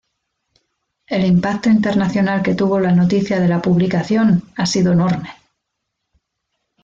El impacto internacional que tuvo la noticia de la publicación ha sido enorme.